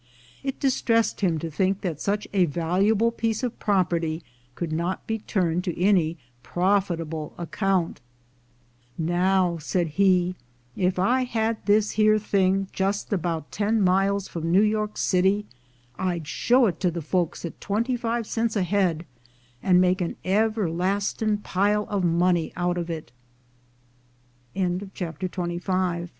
It distressed him to think that such a valuable piece of property could not be turned to any profitable account. "Now," said he, "if I had this here thing jist about ten miles from New York City, I'd show it to the folks at twenty five cents a head, and make an everlastin* pile